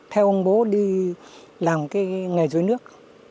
theo ông bố đi làm cái nghề dối nước